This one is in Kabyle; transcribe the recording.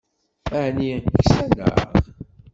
Aεni ksaneɣ?